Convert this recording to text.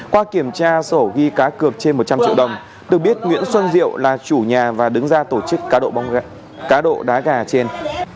qua kiểm tra sổ ghi cá cược trên một trăm linh triệu đồng được biết nguyễn xuân diệu là chủ nhà và đứng ra tổ chức cá độ bóng cá độ đá gà trên